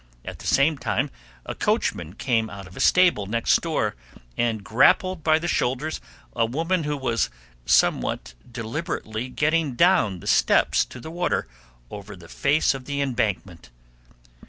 At the same time a coachman came out of a stable next door, and grappled by the shoulders a woman who was somewhat deliberately getting down the steps to the water over the face of the embankment.